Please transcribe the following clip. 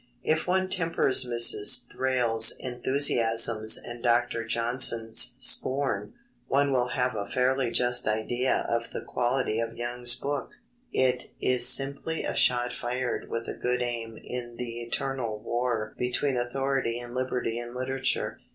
If one tempers Mrs. Thrale's enthusiasms and Dr. Johnson's scorn, one will have a fairly just idea of the quality of Young's book. It is simply a shot fired with a good aim in the eternal war between authority and liberty in literature.